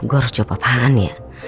gua harus jawab apaan ya